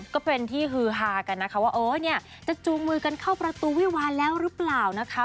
ก็เป็นที่ฮือฮากันนะคะว่าเออเนี่ยจะจูงมือกันเข้าประตูวิวาแล้วหรือเปล่านะคะ